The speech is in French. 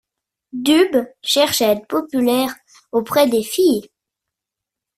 Dub cherche à être populaire auprès des filles.